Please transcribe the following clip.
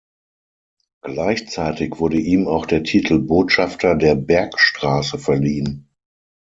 Gleichzeitig wurde ihm auch der Titel "Botschafter der Bergstraße" verliehen.